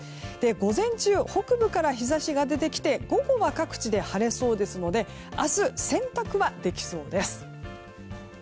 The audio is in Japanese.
午前中、北部から日差しが出てきて午後は各地で晴れそうですので明日、洗濯はできそうです。